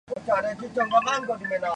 开元二十五年去世。